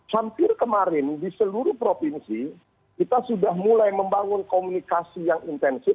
hampir kemarin di seluruh provinsi kita sudah mulai membangun komunikasi yang intensif